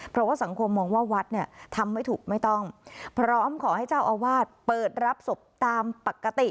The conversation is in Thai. เพราะว่าสังคมมองว่าวัดเนี่ยทำไม่ถูกไม่ต้องพร้อมขอให้เจ้าอาวาสเปิดรับศพตามปกติ